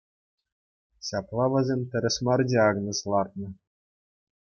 Ҫапла вӗсем тӗрӗс мар диагноз лартнӑ.